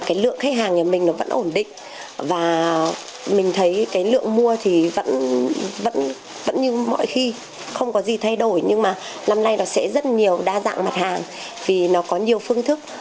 cái lượng khách hàng nhà mình nó vẫn ổn định và mình thấy cái lượng mua thì vẫn như mọi khi không có gì thay đổi nhưng mà năm nay nó sẽ rất nhiều đa dạng mặt hàng vì nó có nhiều phương thức